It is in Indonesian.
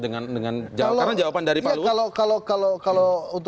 karena jawaban dari pak luwud